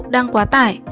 đang quá tải